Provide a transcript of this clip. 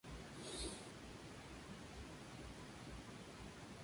En Long Beach las ventanas fueron quebradas por los vientos.